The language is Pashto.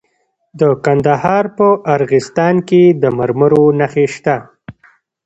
د کندهار په ارغستان کې د مرمرو نښې شته.